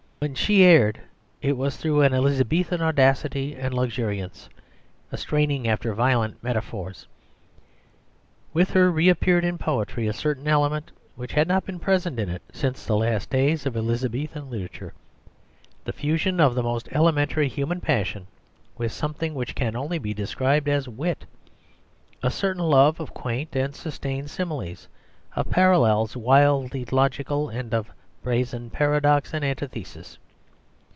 When she erred it was through an Elizabethan audacity and luxuriance, a straining after violent metaphors. With her reappeared in poetry a certain element which had not been present in it since the last days of Elizabethan literature, the fusion of the most elementary human passion with something which can only be described as wit, a certain love of quaint and sustained similes, of parallels wildly logical, and of brazen paradox and antithesis.